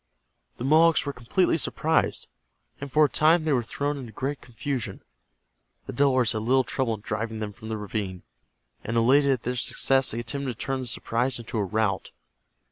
The Mohawks were completely surprised, and for a time they were thrown into great confusion. The Delawares had little trouble in driving them from the ravine, and elated at their success they attempted to turn the surprise into a rout.